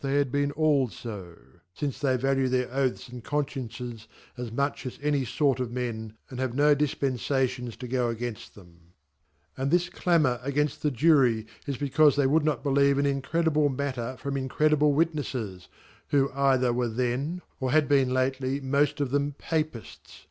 they had been all jo, fince they value their Oaths andCotsfcieaces as much as any fort of men, and have no Difbett Jaiiovs to go against 'them. AndtmCfatmur againsl the Jury, is lecaufe they would not hetieye an incredible matter from " incredible Wit neffes , who elrherwere then, or had been lately, mjt of them Papifts; who e to the TORIES.